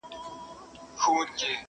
له پخوانو کمبلو پاته دوې ټوټې دي وړې!.